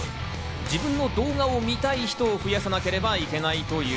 自分の動画を見たい人を増やさなければならないという。